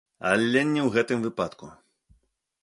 Але не ў гэтым выпадку.